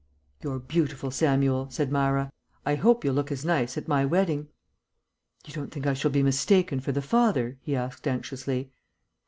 "You're beautiful, Samuel," said Myra. "I hope you'll look as nice at my wedding." "You don't think I shall be mistaken for the father?" he asked anxiously.